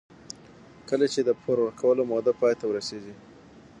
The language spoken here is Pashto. کله چې د پور ورکولو موده پای ته ورسېږي